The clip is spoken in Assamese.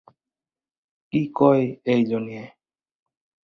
কি কয় এই জনীয়ে?